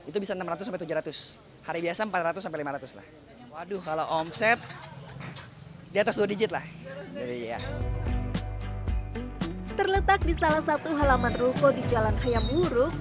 terletak di salah satu halaman ruko di jalan hayamuruk